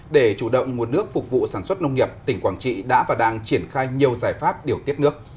để chủ động nguồn nước phục vụ sản xuất nông nghiệp tỉnh quảng trị đã và đang triển khai nhiều giải pháp điều tiết nước